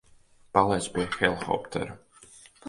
Paliec pie helikoptera.